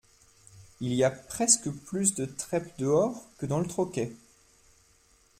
il y a presque plus de trèpe dehors que dans le troquet.